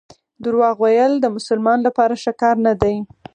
درواغ ویل د مسلمان لپاره ښه کار نه دی.